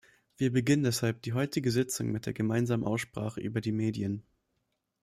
Wir beginnen deshalb die heutige Sitzung mit der gemeinsamen Aussprache über die Medien.